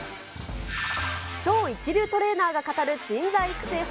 超一流トレーナーが語る人材育成法